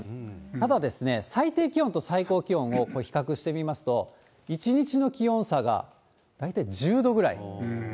ただ、最低気温と最高気温を比較してみますと、一日の気温差が大体１０度ぐらい。